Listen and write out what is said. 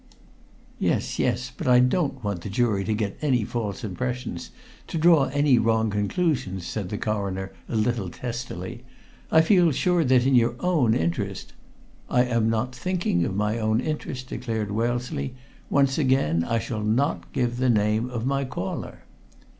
"Yes, yes, but I don't want the jury to get any false impressions to draw any wrong conclusions," said the Coroner a little testily. "I feel sure that in your own interest " "I am not thinking of my own interest," declared Wellesley. "Once again I shall not give the name of my caller."